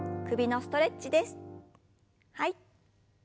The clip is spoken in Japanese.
はい。